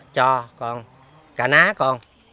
cho còn cả ná còn